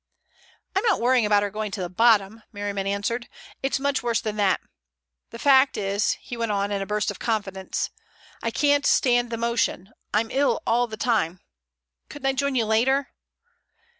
"I'm not worrying about her going to the bottom," Merriman answered. "It's much worse than that. The fact is," he went on in a burst of confidence, "I can't stand the motion. I'm ill all the time. Couldn't I join you later?"